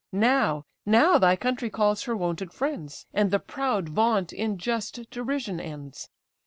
Now, now thy country calls her wonted friends, And the proud vaunt in just derision ends.